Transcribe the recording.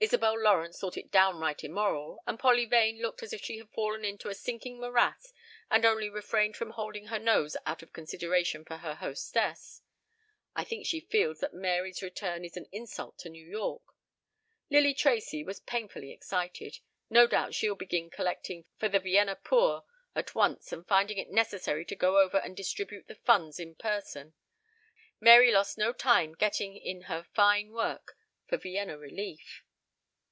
Isabel Lawrence thought it downright immoral, and Polly Vane looked as if she had fallen into a stinking morass and only refrained from holding her nose out of consideration for her hostess. I think she feels that Mary's return is an insult to New York. Lily Tracy was painfully excited. No doubt she'll begin collecting for the Vienna poor at once and finding it necessary to go over and distribute the funds in person. Mary lost no time getting in her fine work for Vienna relief."